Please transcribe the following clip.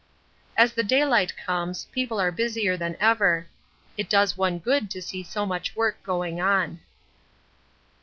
As the daylight comes, people are busier than ever. It does one good to see so much work going on.